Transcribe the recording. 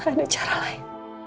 apakah ada cara lain